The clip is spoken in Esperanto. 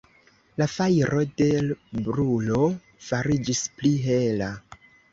La fajro de l' brulo fariĝis pli hela.